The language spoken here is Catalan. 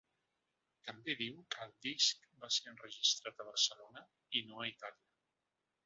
També diu que el disc va ser enregistrat a Barcelona i no a Itàlia.